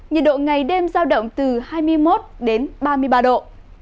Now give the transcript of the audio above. nhiệt độ ngày đêm giao động từ hai mươi một đến ba mươi ba độ